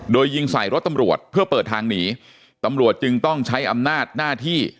โดยยิงใส่รถตำรวจเพื่อเปิดทางหนีตำรวจจึงต้องใช้อำนาจหน้าที่